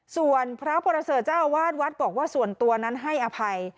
ส่วนพระประเสริฐเจ้าอาวาสวัดบอกว่าส่วนตัวนั้นให้อภัย